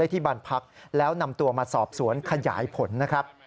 ที่บ้านพักแล้วนำตัวมาสอบสวนขยายผลนะครับ